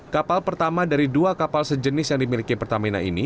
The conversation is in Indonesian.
kapal pertama dari dua kapal sejenis yang dimiliki pertamina ini